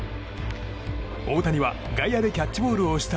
大谷は外野でキャッチボールをした